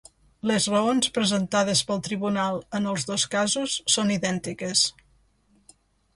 Les raons presentades pel tribunal en els dos casos són idèntiques.